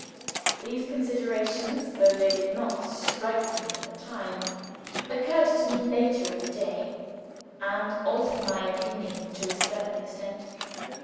These considerations, though they did not strike me at the time, occurred to me later in the day, and altered my opinion to a certain extent.